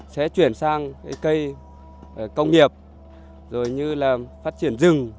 sẽ chuyển sang cây công nghiệp phát triển rừng